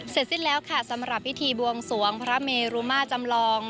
เสร็จสิ้นแล้วค่ะสำหรับพิธีบวงสวงพระเมรุมาจำลอง